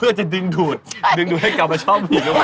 เพื่อจะดึงดูดดึงดูให้กลับมาชอบมีก็ไม่เท่าว่า